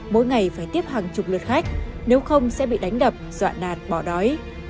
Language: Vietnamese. mỗi ngày phải tiếp hàng chục lượt khách nếu không sẽ bị đánh đập dọa nạt bỏ đói